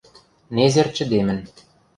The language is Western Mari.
Незер чӹдемӹн.